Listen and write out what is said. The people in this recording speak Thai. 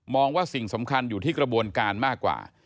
ว่าสิ่งสำคัญอยู่ที่กระบวนการมากกว่า